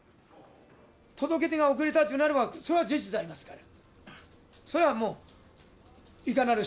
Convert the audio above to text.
届け出が遅れたとなれば、それは事実でありますから。